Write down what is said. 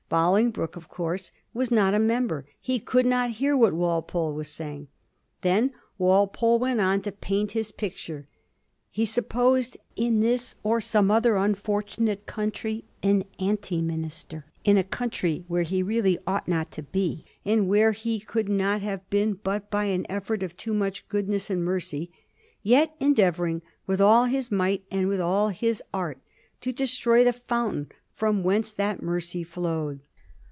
Bolingbroke, of course, was not a member ; he could not hear what Walpole was saying. Then Walpole went on to paint his picture. He supposed, ^' in this or in some other unfortunate country, an anti minister ... in a country where he really ought not to be, and where he could not have been but by an effect of too much good ness and mercy, yet endeavoring with all his might and with all his art to destroy the fountain from whence that mercy flowed."